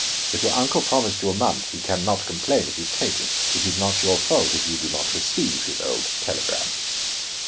If your uncle promised you a month, he can not complain if you take it. It is not your fault if you do not receive his old telegram."